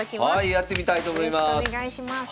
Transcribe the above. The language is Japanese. やってみたいと思います。